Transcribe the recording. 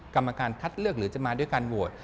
กรรมการคัดเลือกหรือจะมาด้วยการโหวต